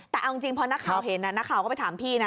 แต่เอาจริงพอนักข่าวเห็นนักข่าวก็ไปถามพี่นะ